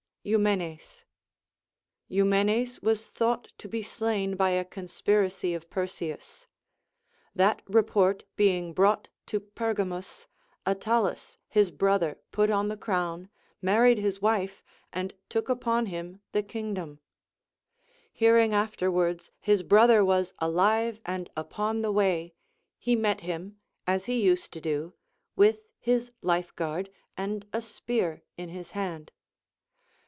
EuMENES. Eumenes was thought to be slain by a con spiracy of Perseus. That report being brought to Pcrga mus. Attains his brother put on the crown, married his wife, and took upon him the kingdom. Hearing after Avards his brother was alive and upon the way, he met him, as he used to do, with his life guard, and a spear in his hand.